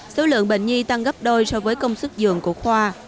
số lượng bệnh nhi tăng gấp đôi so với công sức giường của khoa